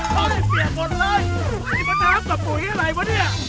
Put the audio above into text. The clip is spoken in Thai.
มันน้ำตะปูยอะไรวะเนี่ย